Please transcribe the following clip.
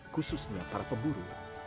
khususnya para pemburu